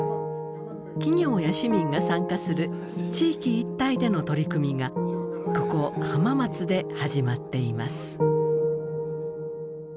企業や市民が参加する地域一体での取り組みがここ浜松で始まっています。